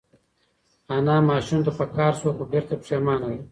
انا ماشوم ته په قهر شوه خو بېرته پښېمانه ده.